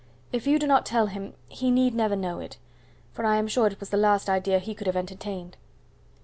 If you do not tell him, he need never know it; for I am sure it was the last idea he could have entertained."